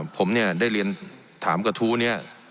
ผมเนี่ยได้เรียนถามกระทู้นี้